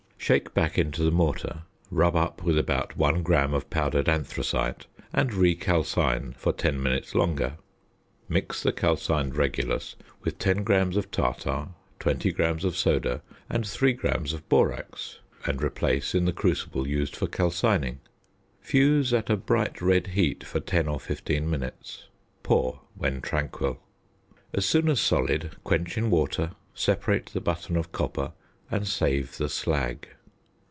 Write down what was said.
Shake back into the mortar, rub up with about 1 gram of powdered anthracite, and re calcine for 10 minutes longer. Mix the calcined regulus with 10 grams of tartar, 20 grams of soda, and 3 grams of borax; and replace in the crucible used for calcining. Fuse at a bright red heat for 10 or 15 minutes. Pour, when tranquil. As soon as solid, quench in water, separate the button of copper, and save the slag.